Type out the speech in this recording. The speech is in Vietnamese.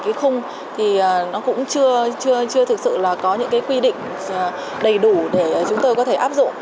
cái khung thì nó cũng chưa thực sự là có những cái quy định đầy đủ để chúng tôi có thể áp dụng